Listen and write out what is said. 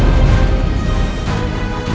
mereka mencari mati